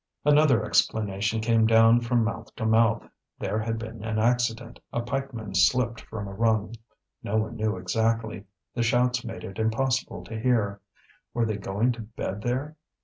Another explanation came down from mouth to mouth; there had been an accident, a pikeman slipped from a rung. No one knew exactly, the shouts made it impossible to hear; were they going to bed there?